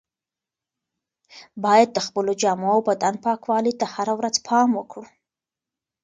باید د خپلو جامو او بدن پاکوالي ته هره ورځ پام وکړو.